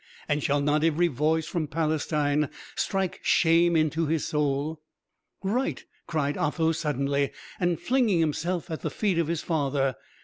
and shall not every voice from Palestine strike shame into his soul?" "Right," cried Otho, suddenly, and flinging himself at the feet of his father.